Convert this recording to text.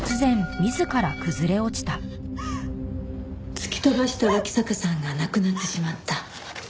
突き飛ばした脇坂さんが亡くなってしまった。